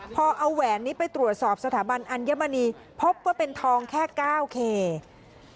พอเอาแหวนนี้ไปตรวจสอบสถาบันอัญมณีพบว่าเป็นทองแค่๙เค